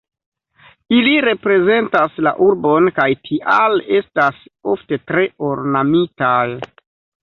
Ili reprezentas la urbon kaj tial estas ofte tre ornamitaj.